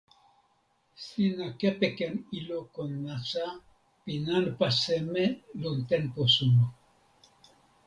sina kepeken ilo kon nasa pi nanpa seme lon tenpo suno.